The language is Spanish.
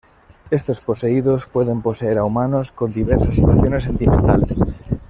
Estos poseídos pueden poseer a humanos con diversas situaciones sentimentales